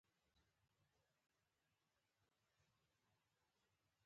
ډېر خواشینی شوم.